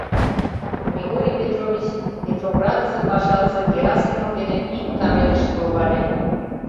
Григорий Петрович Петроградысе пашазе, Герасимов, дене ик камерышке логале.